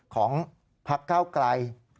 ของพักเก้าไกล